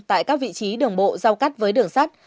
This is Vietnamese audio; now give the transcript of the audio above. tại các vị trí đường bộ giao cắt với đường sắt